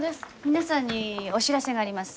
皆さんにお知らせがあります。